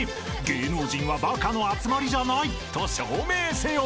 ［芸能人はバカの集まりじゃないと証明せよ］